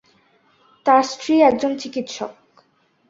তার স্ত্রী একজন চিকিৎসক।